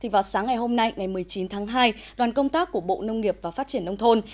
vào sáng ngày hôm nay ngày một mươi chín tháng hai đoàn công tác của bộ nông nghiệp và phát triển nông thôn